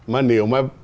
mà nếu mà